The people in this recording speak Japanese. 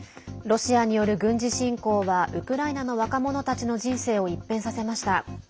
ロシアによる軍事侵攻はウクライナの若者たちの人生を一変させました。